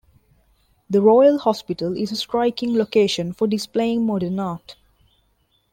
The Royal Hospital is a striking location for displaying modern art.